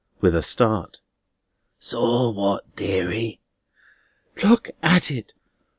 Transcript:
With a start. "Saw what, deary?" "Look at it!